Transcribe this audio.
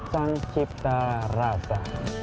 masjid sang cipta rasa